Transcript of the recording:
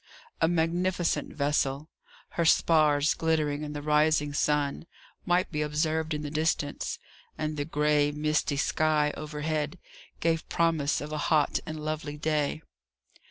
A magnificent vessel, her spars glittering in the rising sun, might be observed in the distance, and the grey, misty sky, overhead, gave promise of a hot and lovely day.